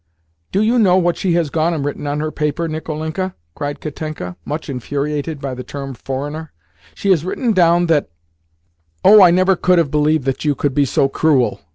"Do you know what she has gone and written on her paper, Nicolinka?" cried Katenka, much infuriated by the term "foreigner." "She has written down that " "Oh, I never could have believed that you could be so cruel!"